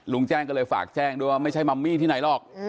ลุงแจ้งก็เลยฝากแจ้งด้วยว่าไม่ใช่มัมมี่ที่ไหนหรอก